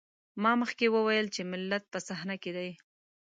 ما مخکې وويل چې ملت په صحنه کې دی.